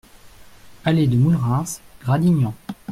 Allée de Moulerens, Gradignan